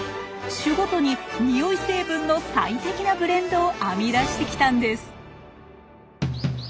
種ごとにニオイ成分の最適なブレンドを編み出してきたんです。